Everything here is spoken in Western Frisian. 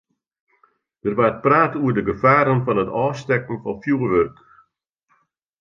Der waard praat oer de gefaren fan it ôfstekken fan fjoerwurk.